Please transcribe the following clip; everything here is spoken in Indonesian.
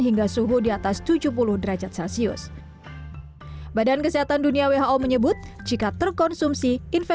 hingga suhu di atas tujuh puluh derajat celcius badan kesehatan dunia who menyebut jika terkonsumsi